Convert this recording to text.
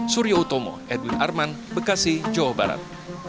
surya utomo edwin arman bekasi jawa barat